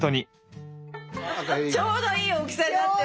ちょうどいい大きさになってる。